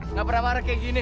nggak pernah marah kayak gini